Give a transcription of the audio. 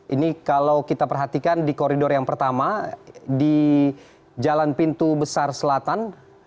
ini kalau kita perhatikan di koridor yang pertama di jalan pintu besar selatan